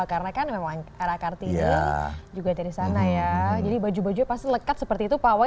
karena kan memang era kartini juga dari sana ya jadi baju baju pasti lekat seperti itu pawai